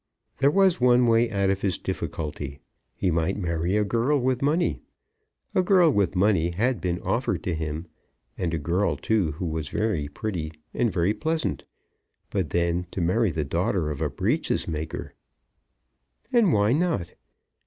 There was one way out of his difficulty. He might marry a girl with money. A girl with money had been offered to him, and a girl, too, who was very pretty and very pleasant. But then, to marry the daughter of a breeches maker! And why not?